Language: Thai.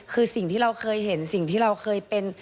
คือสิ่งที่เราเคยเห็นสิ่งที่เราเคยเป็น